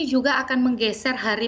juga akan menggeser hari